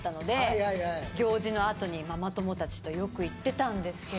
はいはい行事のあとにママ友達とよく行ってたんですけど